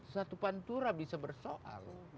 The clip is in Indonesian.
satu pantura bisa bersoal